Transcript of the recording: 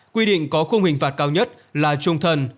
quy định có khung hình phạt cao nhất là trung thần